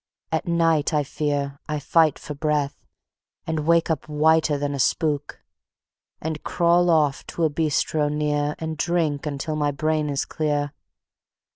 At night, I fear, I fight for breath, And wake up whiter than a spook; And crawl off to a bistro near, And drink until my brain is clear.